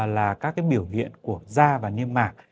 là các biểu hiện của da và niêm mạc